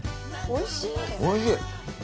おいしい。